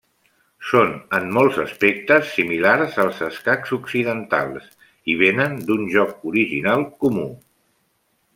Són en molts aspectes similars als escacs occidentals, i vénen d'un joc original comú.